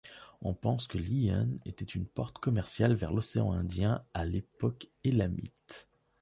On pense que Liyan était une porte commerciale vers l’océan Indien à l'époque élamite.